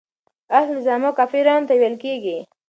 اهل الذمه کافرانو ته ويل کيږي.